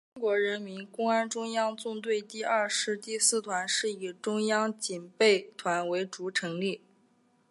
其中中国人民公安中央纵队第二师第四团是以中央警备团为主成立。